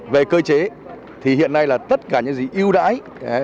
về cơ chế thì hiện nay là tất cả những gì yêu đãi